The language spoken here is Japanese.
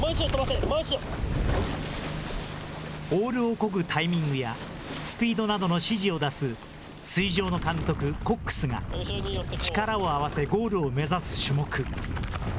オールをこぐタイミングやスピードなどの指示を出す水上の監督、コックスが力を合わせゴールを目指す種目。